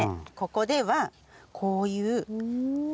ここではこういう。